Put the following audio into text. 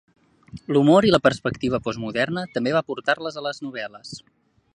L'humor i la perspectiva postmoderna també va portar-les a les novel·les.